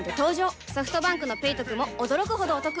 ソフトバンクの「ペイトク」も驚くほどおトク